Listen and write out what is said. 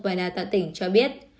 và đà tạo tỉnh cho biết